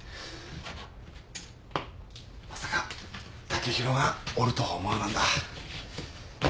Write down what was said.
まさか剛洋がおるとは思わなんだ。